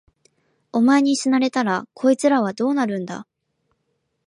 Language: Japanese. お前に死なれたら、こいつらはどうなるんだ。